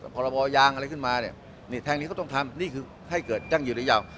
ประบอยางอะไรขึ้นมาเนี่ยนี่แทงนี่เขาต้องทำนี่คือให้เกิดตั้งอยู่ดยาว